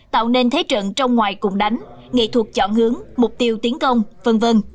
tạo nên thế trận trong ngoài cùng đánh nghệ thuật chọn hướng mục tiêu tiến công v v